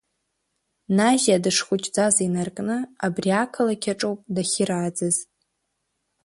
Назиа дышхәыҷӡаз инаркны абри ақалақь аҿоуп дахьырааӡаз.